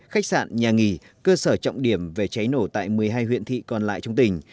khách sạn nhà nghỉ cơ sở trọng điểm về cháy nổ tại một mươi hai huyện thị còn lại trong tỉnh